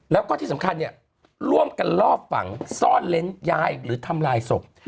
แล้วก็ที่สำคัญเนี่ยร่วมกันลอบฝังซ่อนเล้นย้ายหรือทำลายศพ